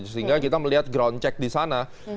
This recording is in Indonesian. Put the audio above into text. sehingga kita melihat ground check di sana